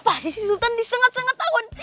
pasti si sultan disengat sengat tawon